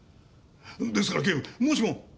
ですから警部もしも！